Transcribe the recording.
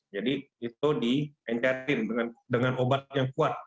jadi itu diencariin dengan obat yang kuat